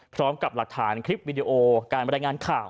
พร้อมกับหลักฐานคลิปวิดีโอการบรรยายงานข่าว